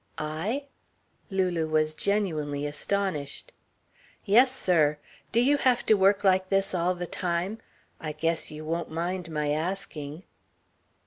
"I?" Lulu was genuinely astonished. "Yes, sir. Do you have to work like this all the time? I guess you won't mind my asking."